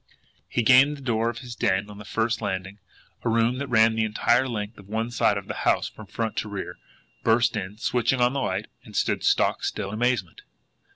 He gained the door of his den on the first landing, a room that ran the entire length of one side of the house from front to rear, burst in, switched on the light and stood stock still in amazement.